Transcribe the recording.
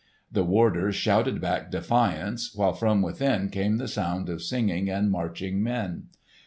The warders shouted back defiance, while from within came the sound of singing and marching men.